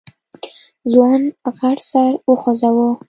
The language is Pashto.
ځوان غټ سر وخوځوه.